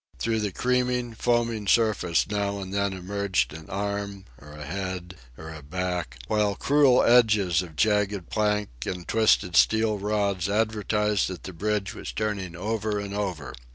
Through the creaming, foaming surface now and then emerged an arm, or a head, or a back, while cruel edges of jagged plank and twisted steel rods advertised that the bridge was turning over and over.